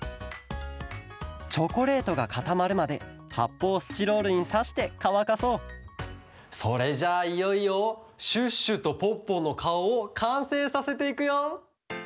チョコレートがかたまるまではっぽうスチロールにさしてかわかそうそれじゃあいよいよシュッシュとポッポのかおをかんせいさせていくよ！